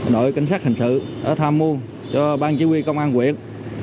đội cảnh sát hành sự đã tham mưu cho ban chỉ huy công an quyền